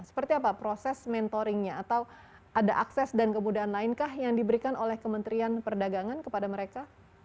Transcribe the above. seperti apa proses mentoringnya atau ada akses dan kemudahan lain kah yang diberikan oleh kementerian perdagangan kepada mereka